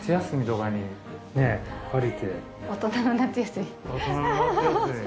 大人の夏休み。